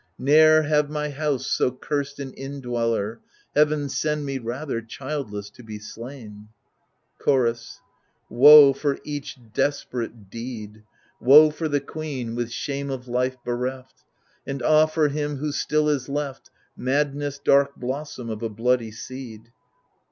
Ne'er have my house so cursed an indweller — Heaven send me, rather, childless to be slain ? Chorus Woe for each desperate deed ! Woe for the queen, with shame of life bereft ! And ah, for him who still is left. Madness, dark blossom of a bloody seed